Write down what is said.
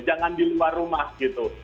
jangan di luar rumah gitu